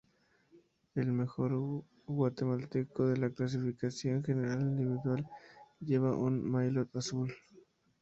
El mejor guatemalteco de la clasificación general individual lleva un maillot azul.